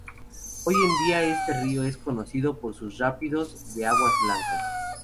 Hoy en día este río es conocido por sus rápidos de aguas blancas.